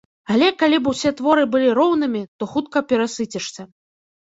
Але калі б усе творы былі роўнымі, то хутка перасыцішся.